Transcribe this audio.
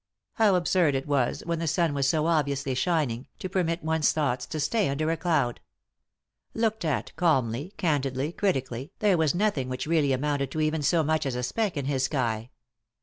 How absurd it was, when the sun was so obviously shining, to permit one's thoughts to stay under a cloud. Looked at calmly, candidly, critically, there was nothing which really amounted to even so much as a speck in his sky.